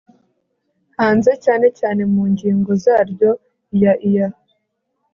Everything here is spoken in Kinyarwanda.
hanze cyane cyane mu ngingo zaryo iya iya